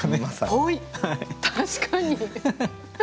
確かに。